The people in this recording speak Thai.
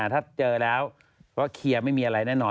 ถ้าเจอแล้วก็เคลียร์ไม่มีอะไรแน่นอน